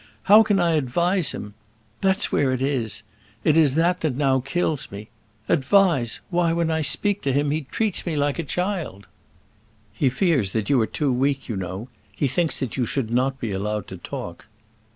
How can I advise him? That's where it is! It is that that now kills me. Advise! Why, when I speak to him he treats me like a child." "He fears that you are too weak, you know: he thinks that you should not be allowed to talk."